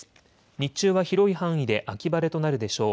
日中は広い範囲で秋晴れとなるでしょう。